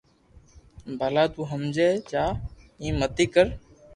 ڀلا تو ھمجي جا ايم متي ڪر